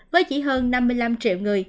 với chỉ hơn năm mươi năm triệu người